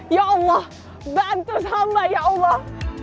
ya allah bantu sama ya allah